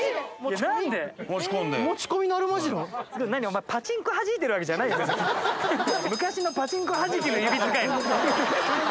何、お前、パチンコはじいてるわけじゃないだろ、昔のパチンコ弾きの指使い。